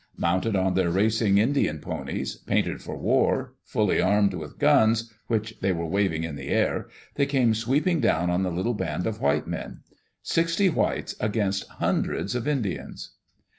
Mounted on their racing Indian ponies, painted for war, fully armed with guns, which they were waving in the air, they came sweeping down on the little band of white men. Sixty whites against hundreds of Indians!